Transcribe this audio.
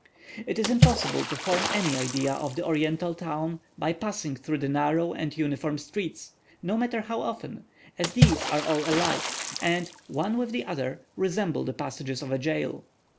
It is impossible to form any idea of an Oriental town by passing through the narrow and uniform streets, no matter how often, as these are all alike, and, one with the other, resemble the passages of a jail.